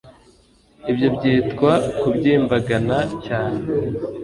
ibyo byitwa kubyimbagana cyane